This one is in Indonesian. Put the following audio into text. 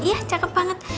iya cakep banget